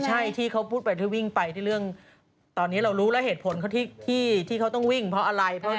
ใช่ที่เขาพูดวิ่งไปตอนนี้เรารู้แล้วเหตุผลที่เขาต้องวิ่งเพราะอะไร